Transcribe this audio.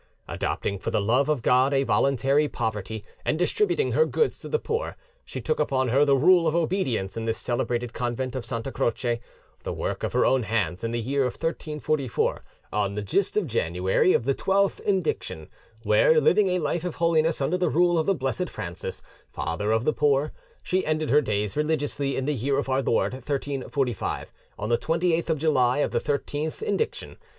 Adopting for the love of God a voluntary poverty, and distributing her goods to the poor, she took upon her the rule of obedience in this celebrated convent of Santa Croce, the work of her own hands, in the year 1344, on the gist of January of the twelfth indiction, where, living a life of holiness under the rule of the blessed Francis, father of the poor, she ended her days religiously in the year of our Lord 1345, on the 28th of July of the thirteenth indiction.